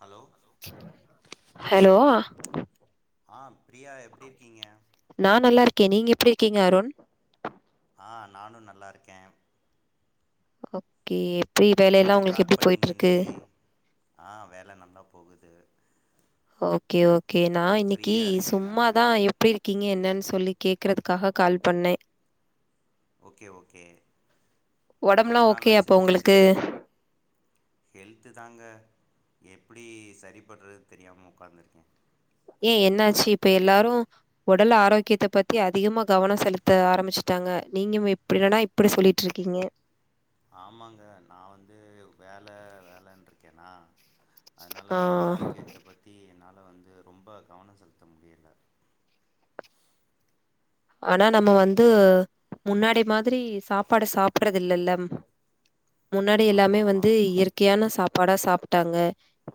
Hello hello ஆ பிரியா எப்டி இருக்கீங்க நா நல்லா இருக்கே நீங்க எப்டி இருக்கீங்க அருண் ஆ நானு நல்லாருக்கே ஓகே எப்டி வேலல்லா என்ன உங்களுக்கு கால் எப்டி பண்ணீங்க போய்ட்டுருக்கு இன்னைக்கி ஆ வேல நல்லா போகுது ஓகே ஓகே நா இன்னைக்கு ஃப்ரீயா இருக்கே நானு சும்மாதா எப்டி இருக்கீங்க என்னன்னு சொல்லி கேக்குறதுக்காக கால் பண்ணே ஓகே ஓகே ரொம்ப உடம்புலாம் ஓகே நாளாச்சு அப்போ பேசி உங்களுக்கு ஹெல்த்து தாங்க எப்டி சரி பண்றதுனு தெரியாம உக்காந்துருக்கே ஏ என்னாச்சு இப்ப எல்லாரு உடல் ஆரோக்கியத்த பத்தி அதிகமா கவனோ செலுத்த ஆரம்பிச்சுட்டாங்க நீங்க எப் அப்படில்லனா இப்டி சொல்லிட்டுருக்கீங்க ஆமாங்க நா வந்து வேல வேலன்றுருக்கேன்னா அதனால ஆ, உடல் ஆரோக்கியத்த பத்தி என்னால வந்து ரொம்ப கவனோ செலுத்த முடியல ஆனா நம்ம வந்து முன்னாடி மாதிரி சாப்பாட சாப்பிடுறது இல்லல்ல முன்னாடி ஆமா எல்லாமே ஆமா வந்து இயற்கையான சாப்பாடா சாப்ட்டாங்க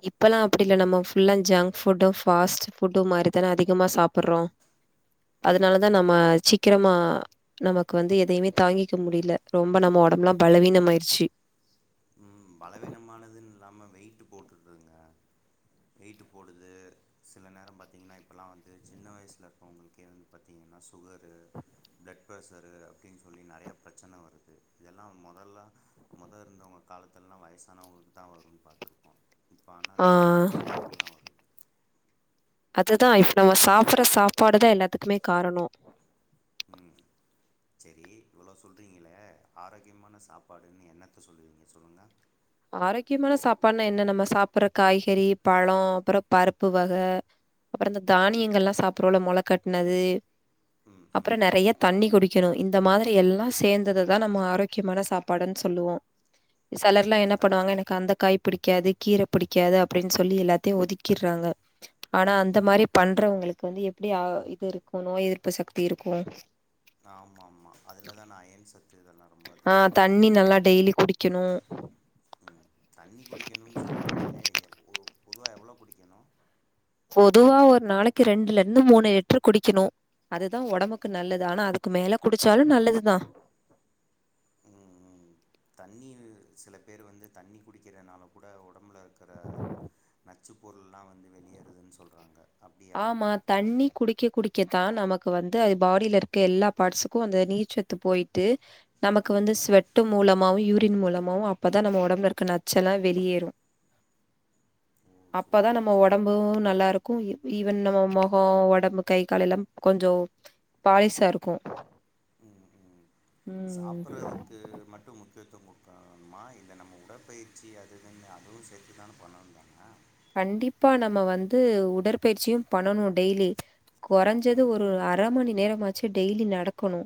இப்பெல்லா அப்டி இல்ல நம்மபுல்லா ஜங்க் ஃபுட்டும்ஃபாஸ்ட் ஃபுட்டும் மாதிரிதான அதிகமா சாப்பட்றோ அதனாலதான் நம்ம சீக்கிரமா நமக்கு வந்து எதையுமே தாங்கிக்க முடியல ரொம்ப நம்ம உடம்புலா பலவீனோ ஆயிடுச்சு ம் பலவீனமானதுன்னு இல்லாம வெயிட் போட்டுருதுங்க வெயிட்டு போடுது சில நேரோ பார்த்திங்கன்னா இப்போலா வந்து சின்ன வயசுல இருக்கறவங்களுக்கே வந்து பாத்திங்கன்னா சுகரு பிளட் ப்ரஷரு அப்டின்னு சொல்லி நறையா பிரச்சனை வருது இதெல்லா முதல்ல மொத இருந்தமா காலத்துலா வயசானவங்களுக்கு தா வரும்னு பாத்துருக்கோ இப்போ ஆனா ஆ சின்ன பிள்ளைகளுக்கெல்லா வருது அதுதா இப்ப நம்ம சாப்பட்ற சாப்பாடுதா எல்லாத்துக்குமே காரணோ ம் சரி இவ்ளோ சொலிறீங்களே ஆரோக்கியமான சாப்பாடுன்னு என்னத்த சொல்லுவீங்க சொல்லுங்க ஆரோக்கியமான சாப்பாடுனா என்ன நம்ம சாப்பட்ற காய்கறி பழ அப்றோ பருப்பு வக அப்றோ இந்த தானியங்கள்லா சாப்பட்றோல்ல மொள கட்னது ம் அப்றோ ம் நெறைய தண்ணி குடிக்கணு இந்த மாதிரி எல்லா சேர்ந்தததா நம்ம ஆரோக்கியமான சாப்பாடுன்னு சொல்லுவோ செலர்லா ம் என்ன தண் எனக்கு அந்த காய் பிடிக்காது கீர பிடிக்காது அப்டின்னு சொல்லி எல்லாத்தையு ஒதுக்கிட்றாங்க ஆனா ம் அந்த ம் மாதிரி பண்றவங்களுக்கு வந்து எப்டி அ இது இருக்கு நோய் எதிர்ப்பு சக்தி இருக்கூ ஆமா ஆமா அதுலதான் ஐயன் சத்து இதெல்லா ஆ தண்ணி நல்லா டெய்லி குடிக்கணு ம் தண்ணி குடிக்கணுன் சொல்கிறீங்களே எப் பொதுவா எவ்ளோ குடிக்கணு பொதுவா ஒரு நாளைக்கு ரெண்டுல இருந்து மூணு லிட்டரு குடிக்கணு அதுதா ஒடம்புக்கு நல்லது ஆனா அதுக்கு மேல குடிச்சாலு நல்லதுதா ம் ம் தண்ணி சில பேர் வந்து தண்ணி குடிக்கிறதுனால கூட ஒடம்புல இருக்கிற நச்சு பொருள் எல்லா வந்து வெளியேறுதுன் சொல்றாங்க ஆமா தண்ணி குடிக்க குடிக்கத்தா நமக்கு வந்து அது பாடியில இருக் இருக்க எல்லா பார்ட்ஸ்க்கு அந்த நீர்ச்சத்து போயிட்டு நமக்கு ம் வந்து ம் ஸ்வட்டும் மூலமாவு யூரின் மூலமாவு அப்பதா நம்ம ஒடம்புல இருக்க நச்செல்லா வெளியேறு ஓ அப்பதா சூப்பருங்க நம்ம உடம்பு சூப்பருங்க நல்லா இருக்கூ ஈவன் நம்ம மொகோ ஓடம்பு கை கால் எல்லா கொஞ்சோ பாலிசா இருக்கூ ம் ம் சாப்பட்றது க்கு மட்டு முக்கியத்துவோ கொடுக்கணுமா இல்ல நம்ம உடற்பயிற்சி அது இதுன்னு அதுவு சேர்த்து தான பண்ணனு அ ஹ கண்டிப்பா நம்ம வந்து உடற்பயிற்சியு பண்ணனு டெய்லி குறைஞ்சது ம் ஒரு அர் அரை மணி நேரமாச்சு டெய்லி நடக்கணு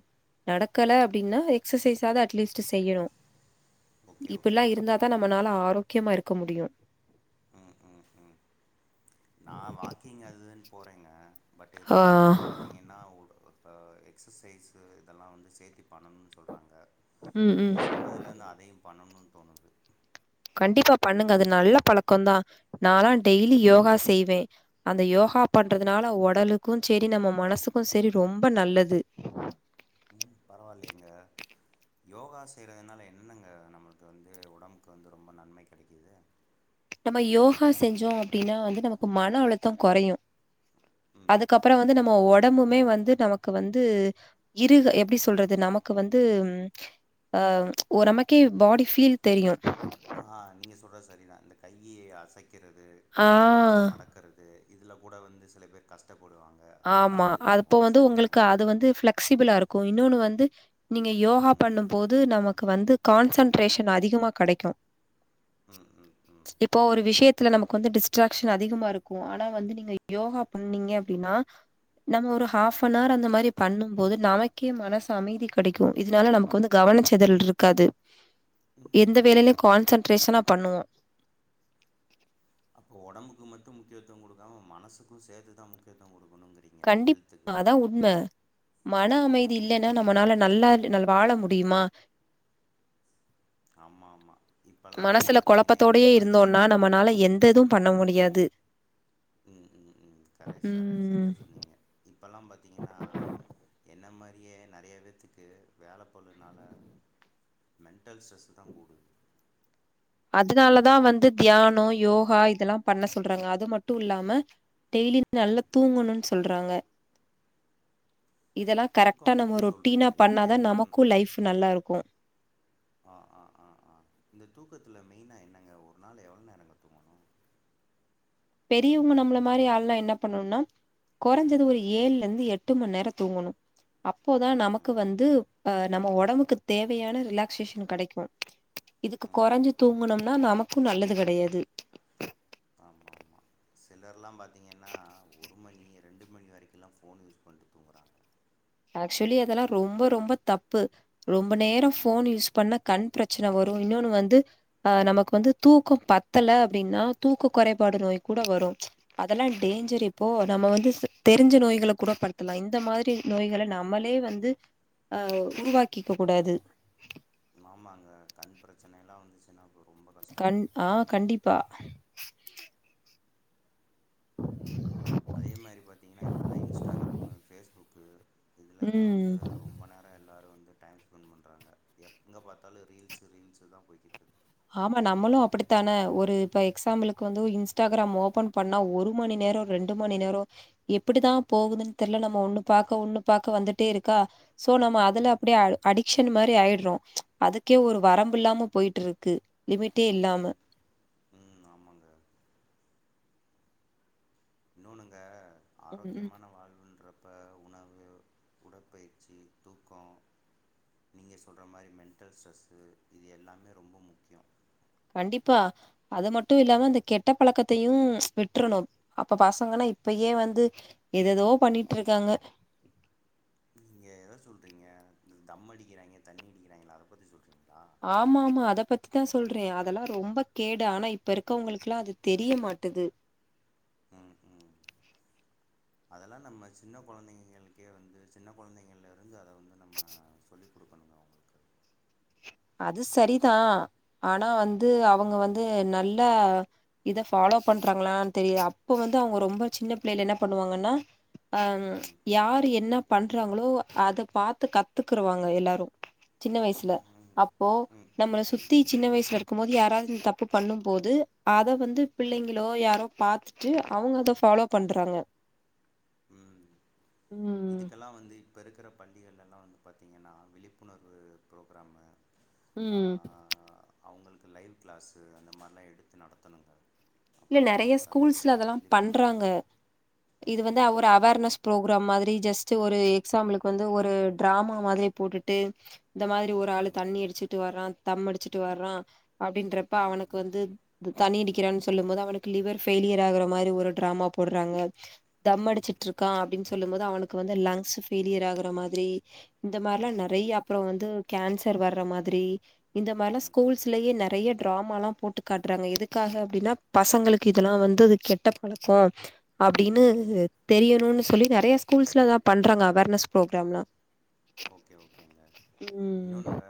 நடக்கல அப்டின்னா எக்ஸசைஸாது அட்லீஸ்ட் செய்யணு ஓகே ஓகே இப்பட்ல்லா இருந்தாதா நம்மளால ஆரோக்கியமா இருக்க முடியு ம் ம் ம் நா வாக்கிங் அது இதுன்னு போறேங்க பட் ஆ இருந்தாலு வந்து பாத் தீங்கன்னாஒரு எக்ஸசைஸு இதெல்லா வந்து சேர்த்து பண்ணுன்னு சொல்றாங்க ம் இப்ப நீங்க ம் சொன்னதுல இருந்து அதையு பண்ணணுன்னு தோணுது கண்டிப்பா பண்ணுங்க அது நல்ல பழக்கோ தா நாலா டெய்லி யோகா செய்வே அந்த யோகா பண்றதுனால உடலுக்கு சரி நம்ம மனசுக்கு சரி ரொம்ப நல்லது ம் பரவாயில்லைங்க யோகா செய்றதுனால என்னங்க நம்முளுக்கு வந்து ஒடம்புக்கு வந்து ரொம்ப நன்மை கெடைக்குது நம்ம யோகா செஞ்சோ அப்டீன்னா வந்து நமக்கு மன அழுத்தோ கொறையு ம் அதுக்கப்புறோ வந்து நம்ம ஒட ஒடம்புமே வந்து நமக்கு வந்து இரு எப்டி சொல்றது நமக்கு வந்து அ ஒரு நமக்கே பாடி ஃபீல் தெரியு ஆ நீங்க சொல்றது சரிதா இந்த கையி அசைக்கிறது ஆ. கால்ல வந்து மடக்க இருக்கறது இதுல கூட வந்து சில பேர் கஷ்டப்படுவாங் ஆமா அதுப்போ வந்து உங்குளுக்கு அது வந்து ஃபிளக்சிபிளா இருக் கோ இன்னோன்னு வந்து நீங்க யோகா ம் பண்ணும் போது நமக்கு வந்து கான்சென்ட்ரேஷன் அதிகமா கடைக்கோ ம் ம் ம் இப்போ ஒரு விஷயத்துல நமக்கு வந்து டிஸ்ட்ராக்ஷன் அதிகமா இருக்கோ ஆனா வந்து நீங்க யோகா பண்ணீங்க அப்டீன்னா [inaudible] நம்ம ஒரு ஹாஃபானார் அந்த மாரி பண்ணும் போது நமக்கே மனசு அமைதி கடைக்கோ இதனால நமக்கு வந்து கவனச் செதரல் இருக்காது எந்த வேலையிலயு கான்சென்ட்ரேஷனா பண்ணுவோ அப்போ ஒடம்புக்கு மட்டு முக்கியத்துவம் குடுக்காம மனசுக்கு சேத்துதா முக்கியத்துவோ குடுக்கணுங்கிறீ கண்டிப்பா அதா உண்ம மன அமைதி ம் இல்லன்னா நம்மனால நல்லா வாழ முடியுமா ஆமா ஆமா இப்பல்லாம் வந்து மனசுல பாத்தீங்கன்னா என்னைய கொழப்பத்தோடயே மாரியே இருந்தோனா நம்மனால எந்த இதுவு ம் பண்ண முடியாது [inaudible] ம் ம் ம் கரட் சர சரியா ம். சொன்னீங்க இப்பல்லா பாத்தீங்கன்னா என்ன மாரி இங்கயே நறீய பேத்துக்கு வேல பளுனால மென்டல் ஸ்ட்ரெஸுதா கூடுது அதனாலதா வந்து தியானோ யோகா இதெல்லா பண்ண சொல்றாங்க அது மட்டு இல்லாம டெய்லி நல்லா ம் தூங்கணோன்னு சொல்றாங்க இதெல்லா கரெக்டா தூக்கம் நம்ம பத்தி ரொட்டீனா சொல்றீங்களே பண்ணாதா ஒரு நா நமக்கோ லைஃப் நல்லா இருக்கோ ஆ ஆ ஆ ஆ இந்த தூக்கத்துல மெயினா என்னங்க ஒரு நாள் எவ்ளோ நேரங்கோ தூங்கணோ பெரியவுங்க நம்மள மாரி ஆள்ல்லா என்ன பண்ணுனா கொறஞ்சது ஒரு ஏழுல இருந்து எட்டு மண் நேரோ தூங்கணோ அப்போதா ம் நமக்கு ம் வந்து அ நம்ம ஒடம்புக்கு தேவையான ரிலாக்சேஷன் கடைக்கோ இதுக்கு ம் கொறைஞ்சு தூங்குணும்னா நமக்கோ நல்லது கெடையாது ஆமா ஆமா சிலர்லா பாத்தீங்கன்னா ஒரு மணி ரெண்டு மணி வரிக்கோல்லா ஃபோன் யூஸ் பண்ணி தூங்குறாங்க ஆக்சுவலி அதெல்லா ரொம்ப ரொம்ப தப்பு ரொம்ப நேரோ ஃபோன் ம் யூஸ் பண்ணா கண் பிரச் சன வரோ இன்னோன்னு வந்து ஆ நமக்கு வந்து தூக்கோ பத்தல அப்டீன்னா தூக்கோ கொறைபாடு நோய் கூட வரோ அதெல்லா ம் டேஞ்சரு இப்போ நம்ம வந்து தெரிஞ்ச நோய்கள கூட படுத்தலா இந்த மாதிரி நோய்கள நம்மளே வந்து அ உருவாக்கிக்க கூடாது ஆமாங்க கண் பிரச்சன எல்லா வந்துச்சுன்னா அப்புறோ கண் ஆ கண்டிப்பா [inaudible] அதே மாதிரி பாத்தீங்கன்னா இப்பல்லா இன்ஸ்டாகிராமு ஃபேஸ்புக்கு இதுலதா ம் வந்து ரொம்ப நேரோ எல்லாரோ வந்து டைம் ஸ்பெண்ட் பண்றாங்க எப் எங்க பாத்தாலு ரீல்ஸு ரீல்ஸுதா போய்க்கிட்டு இருக் ஆமா நம்மளோ அப்புடித்தானே ஒரு இப்ப எக்ஸாம்பிளக்கு வந்து இன்ஸ்டாகிராம ஓபன் பண்ணா ஒரு மணி நேரோ ரெண்டு மணி நேரோ எப்புடிதா போகுதுன்னு தெர்ல நம்ம ஒண்ணு பாக்க ஒண்ணு பாக்க வந்துட்டே இருக்கா சோ நம்ம அதுல ம் அப்படியே ம் அடிக்ஷன் மாதிரி ஆயடுறோ அதுக்கே ஒரு வரம்பு இல்லாம போயிட்டு இருக்கு க்கு லிமிட்டே இல்லாம ம் ம் ஆமாங்க இன்னொன்னுங்க ம், ம். ஆரோக்கியமான வாழ்வுன்ற ப்ப உணவு உடற்பயிற்சி தூக்கோ நீங்க சொல்ற மாரி மென்டல் ஸ்ட்ரெஸ்ஸு இது எல்லாமே ரொம்ப முக்கிய கண்டிப்பா அது மட்டு இல்லாம இந்த கெட்ட பழக்கத்தையு விட்டுரணு அப்ப பசங்கன்னா இப்பயே வந்து எததோ பண்ணிட்டு இருக்காங்க நீங்க எத சொல்றீங்க இந்த தம் அடிக்கிறாங்கே தண்ணி அடிக்கிறாங்கள அத பத்தி சொல்றீங்களா ஆமா ஆமா அத பத்திதா சொல்றே அதெல்லா ரொம்ப கேடு ஆனா இப்ப இருக்கவங்களுக்கெலா அது தெரிய மாட்டுது ம் ம் அதெல்லா நம்ம சின்ன குழந்தைங்களுக்கே வந்து சின்ன குழந்தைங்கள்ல இருந்து அத வந்து நம்ம சொல்லி குடுக்கணுங்க அவங்களு அது சரிதா ஆனா வந்து அவுங்க வந்து நல்ல இத ஃபாலோ பண்றாங்களான் தெரிய அப்போ வந்து அவுங்க ரொம்ப சின்ன பிள்ளைையில என்ன பண்ணுவாங்கன்னா அ ம் யாரு என்ன பண்றாங்களோ அத பாத்து கத்துக்குறுவாங்க எல்லாரு சின்ன வயசுல ம் அப்போ ம் ம் நம்மள ம் சுத்தி சின்ன வயசுல இரு க்கும் போது யாராவது இந்த தப்பு பண்ணும் போது அத வந்து பிள்ளைங்களோ யாரோ பாத் துட்டு அவுங்க அத ஃபாலோ பண்றாங்க ம் ம் இதுக்கெல்லா வந்து இப்ப இருக்கிற பள்ளிகள் எல்லா வந்து பாத்திங்கன்னா விழிப்புணர்வு ஃப்ரோக்ராமு ஆ ம் அவுங்களுக்கு லைவ் கிளாஸு அந்த மாரிலா எடுத்து நடத்தணுங்க இல்ல அப்பதா நறைய அவுங்களுக்கு அந்த ஸ்கூல்ஸ்ல அதெல்லா விழிப்புணர்வு பண்றாங்க இருக்கு இது வந்து ஒரு அவ் வர்னஸ் ப்ரோக்ராம் மாதிரி ஜஸ்ட் ஒரு எக்ஸாம்பிளுக்கு வந்து ஒரு டிராமா மாதிரி போட்டுட்டு இந்த மாரி ஒரு ஆளு தண்ணி அடிச்சுட்டு வர்றா தம் அடிச்சுட்டு வர்றா அப்டின்றப்ப அவனுக்கு வந்து து தண்ணி அடிக்கிறான் சொல்லும் போது அவனுக்கு லிவர் ஃபேயிலியர் ஆகுற மாரி ஒரு டிராமா போடுறாங்க தம் அடிச்சிட்ருக்கா அப்டின்னு சொல்லும் போது அவனுக்கு வந்து லங்ஸ் ஃபேயிலியர் ஆகுற மாதிரி இந்த மாரிலா நெறைய அப்புறோ வந்து கேன்சர் வர்ற மாதிரி இந்த மாரில்லா ஸ்கூல்ஸ்லயே நெறைய டிராமலா போட்டு காட்டுறாங்க எதுக்காக அப்டின்னா பசங்களுக்கு இதெல்லா வந்து அது கெட்ட பழக்கோ அப்டின்னு தெரியனுன்னு சொல்லி நெறைய ஸ்கூல்ஸ்ல தா பண்றாங்க அவேர்னஸ் ஃப்ரோக்ராம்லா ஓகே ஓகேங்க ம் இன்னொன்னுங்க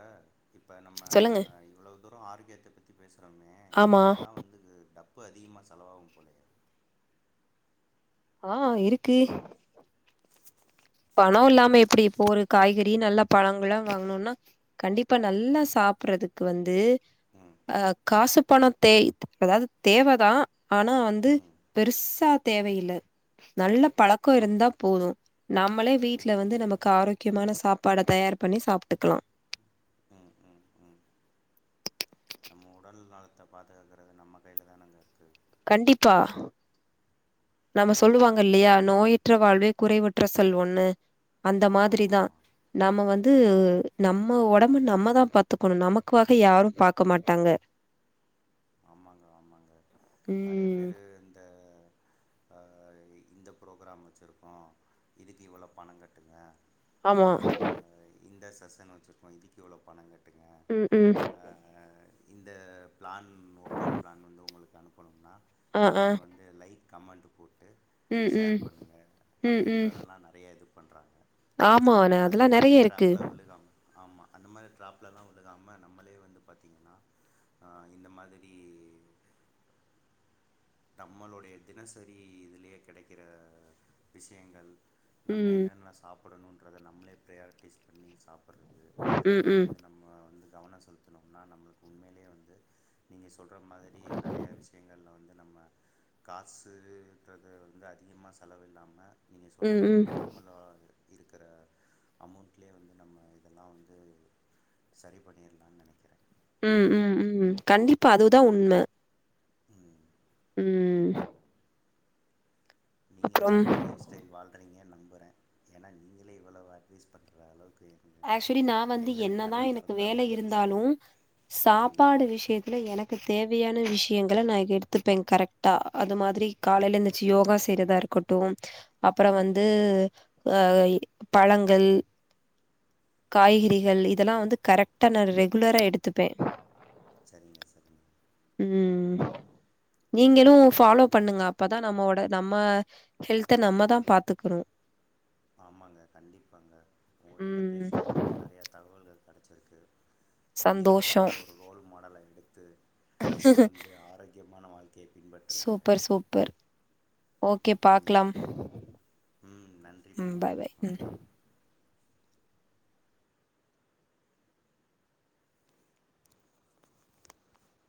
இப்ப நம்ம சொல்லுங்க இவ்ளோ தூர ஆரோக்கியத்த பத்தி பேசுறோமே ஆமா இதுக்கெல்லா வந்து இது டப்பு அதிகமா செலவாகும் போலயே ஆ இருக்கு பணோ இல்லாம எப்டி இப்போ ஒரு காய்கறி நல்லா பழங்கள்லா வாங்கணுன்னா கண்டிப்பா நல்லா சாப்பறதுக்கு வந்து ம் அ காசு பண தே அதாவது தேவதா ஆனா வந்து ம் பெருசா தேவையில்ல நல்ல பழக்கோ இருந்தா போது நம்மளே வீட்ல ம் வந்து ம் நமக்கு ஆரோக்கியமான சாப்பாட தயார் பண்ணி சாப்ட்டுக்கலா ம் ம் ம் நம்ம உடல் நலத்த பாதுகாக்கறது நம்ம கையில தானங்க இருக்கு கண்டிப்பா நம்ம சொல்லுவாங்க இல்லையா நோயற்ற வாழ்வே குறைவற்ற செல்வோன்னு அந்த மாதிரி ஆமா தா ஆமா நம்ம வந்து ம் நம்ம உடம்பு நம்மதான் பாத்துக்கணு நமக்குகாக யாரும் பாக்க மாட்டாங்க ஆமாங்க ஆமாங்க நறைய ம் பேரு இந்த அ இந்த ஃப்ரோக்ராம் வச்சிருக்கோம் இதுக்கு இவ்ளோ பணம் கட்டுங்க ஆமா அ இந்த செஸன் வச்சிருக்கோ இதுக்கு எவ்ளோ பணம் கட்டுங்க ம் ம் ஆ, இந்த பிளான் ஒர்க் அவுட் பிளான் வந்து உங்களுக்கு அனுப்பணும்னா ஆ ஆ எங்களுக்கு வந்து லைக் கமெண்ட் போட்டு ம் ஷேர் ம் பண்ணுங்க ம் ம் அப்படின்றதெல்லாம் நறைய இது பண்றாங்க ஆமா நா அந்த அதெல்லாம் மாரி நெறைய இருக்கு டிராப்புல் விழுகாம ஆமா அந்த மாரி ட்ராப்லலாம் விழுகாம நம்மளே வந்து பாத்திங்கன்னா இந்த மாதிரி நம்மளுடைய தினசரி இதுலேயே கெடைக்கிற விஷயங்கள் நம்ம ம் என்னென்ன சாப்பிடணுன்றதை நம்மளே ப்ரயாரிட்டிஸ் பண்ணி சாப்பிட்றது ம் இதுலெல்லாம் ம் வந்து நம்ம வந்து கவனனமா செலுத்தனோம்னா நம்ளுக்கு உண்மையிலயே வந்து நீங்க சொல்ற மாதிரி நறைய விஷயங்கல்ல வந்து நம்ம காசுன்றது வந்து அதிகமா செலவு இல்லாம நீங்க சொல்ற ம் மாரி ம் நார்மலா இருக்கற அமௌண்ட்லயே வந்து நம்ம இதல்லாம் வந்து சரி பண்ணிரலான் நனைக்கிற ம் ம் ம் கண்டிப்பா அதுதான் உண்ம ம் ம் நீங்க அப்புறம் ஹப்பி லைஃப் ஸ்டைல் வாழ்றீங்கன்னு நம்புறன் ஏன்னா நீங்களே இவ்வளோ அட்வைஸ் பண்ணுறளவுக்கு ஆக்சுவலி நா வந்து என்னதான் எனக்கு வேலை மாதிரி பேசுகிறீங்க இருந்தாலும் ம் சாப்பாடு விஷயத்துல எனக்கு தேவையான விஷயங்கள நான் எடுத்துப்பன் கரெக்டா அது மாதிரி ம் காலையில எழுந்துச்சு யோகா செய்றதா இருக்கட்டும் அப்றோம் ம் வந்து பழங்கள் காய்கறிகள் ஓகே இதல்லாம் வந்து கரெக்டா நா ரெகுலரா எடுத்துப்ப சரிங்க சரிங்க ம் நீங்களும் ஃபாலோ பண்ணுங்க அப்பதா நம்மோட நம்ம ஹெல்த நம்ம தான் பாத்துக்குறோ ஆமாங்க கண்டிப்பாங்க உங்ககிட்ட ம். பேசினதுலருந்து நறையா தகவல்கள் கிடச்சிருக்கு கண்டிப்பா உங்கள சந்தோஷம். ஒரு ரோல் மாடலா எடுத்து நா வந்து ஆரோக்கியமான வாழ்க்கைய பின்பற்றுவங்க சூப்பர் சூப்பர் ஓகே ம் பாக்லாம் ம் நன்றி ம் பிரியா பாய் பாய் ம் வணக்கம்